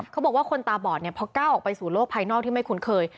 เขาบอกว่าคนตาบอดเนี่ยพอก้าวออกไปสู่โลกภายนอกที่ไม่คุ้นเคย